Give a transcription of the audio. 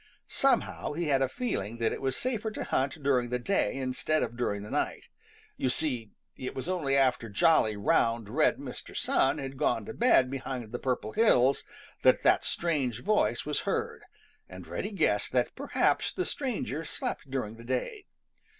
Somehow he had a feeling that it was safer to hunt during the day instead of during the night. You see, it was only after jolly, round, red Mr. Sun had gone to bed behind the Purple Hills that that strange voice was heard, and Reddy guessed that perhaps the stranger slept during the day.